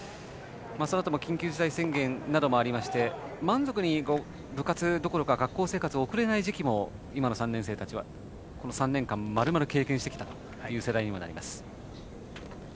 そのあとも緊急事態宣言などもありまして満足に部活どころか学校生活を送れない時期も今の３年生たちはこの３年間まるまる経験してきた世代になります。